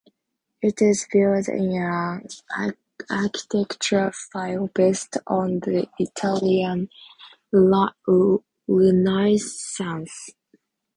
It is built in an architectural style based on the Italian Renaissance.